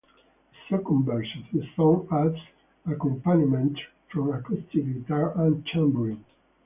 The second verse of the song adds accompaniment from acoustic guitar and tambourine.